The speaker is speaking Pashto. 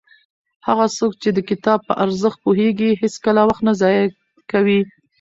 هغه څوک چې د کتاب په ارزښت پوهېږي هېڅکله وخت نه ضایع کوي.